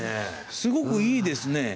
すごくいいですね。